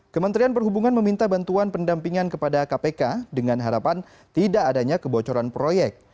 kementerian perhubungan meminta bantuan pendampingan kepada kpk dengan harapan tidak adanya kebocoran proyek